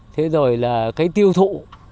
thế rồi là cái tiêu thụ